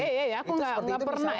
eh eh eh aku nggak pernah